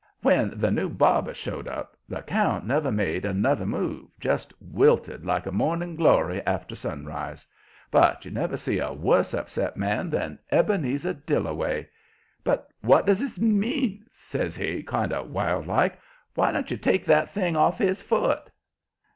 When the new barber showed up the count never made another move, just wilted like a morning glory after sunrise. But you never see a worse upset man than Ebenezer Dillaway. "But what does this mean?" says he, kind of wild like. "Why don't you take that thing off his foot?"